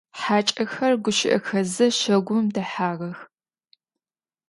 Хьакӏэхэр гущыӏэхэзэ щагум дэхьагъэх.